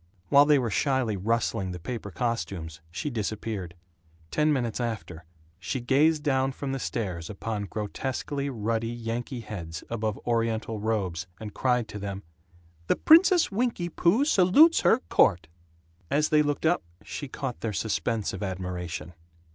While they were shyly rustling the paper costumes she disappeared. Ten minutes after she gazed down from the stairs upon grotesquely ruddy Yankee heads above Oriental robes, and cried to them, "The Princess Winky Poo salutes her court!" As they looked up she caught their suspense of admiration.